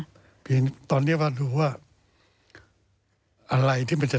ตอนนี้ว่าอะไรที่จะทำให้เขามีมีรัฐสบาทมีภูมิ